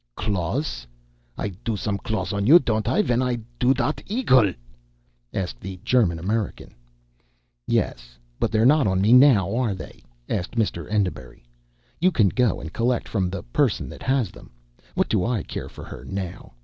"Claws? I do some claws on you, don't I, ven I do dot eagle?" asked the German American. "Yes, but they're not on me now, are they?" asked Mr. Enderbury, "You can go and collect from the person that has them. What do I care for her now?